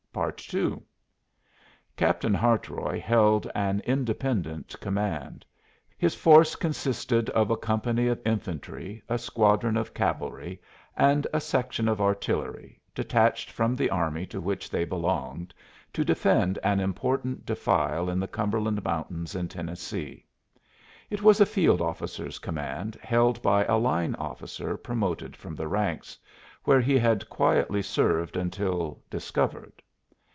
II Captain Hartroy held an independent command. His force consisted of a company of infantry, a squadron of cavalry, and a section of artillery, detached from the army to which they belonged, to defend an important defile in the Cumberland Mountains in Tennessee. It was a field officer's command held by a line officer promoted from the ranks, where he had quietly served until "discovered."